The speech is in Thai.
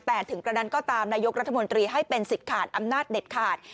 แต่ถึงกระนั้นก็ตามนายกรัฐมนตรีให้เป็นสิทธิ์ขาดอำนาจเด็ดขาด